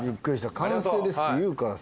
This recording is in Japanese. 「完成です」って言うからさ。